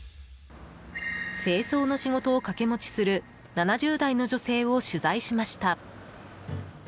清掃の仕事を掛け持ちする７０代の女性を取材しました。